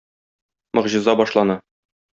Могҗиза башлана.